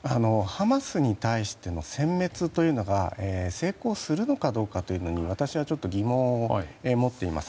ハマスに対しての殲滅というのが成功するのかどうかに、私はちょっと疑問を持っています。